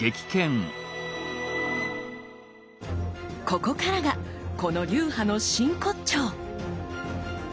ここからがこの流派の真骨頂！